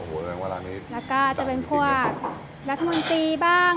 โอ้โหแรงเวลานี้แล้วก็จะเป็นพวกรัฐมนตรีบ้าง